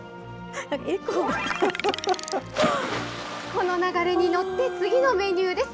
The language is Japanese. この流れに乗って、次のメニューです。